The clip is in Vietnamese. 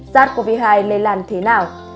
sars cov hai lây làn thế nào